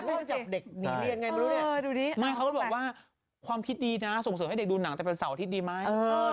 อเจมส์จับเด็กหนีเรียนยังไงไม่เขาบอกว่าความคิดดีนะส่งเสริมให้เด็กดูหนังจะเป็นเสาที่ดีไหม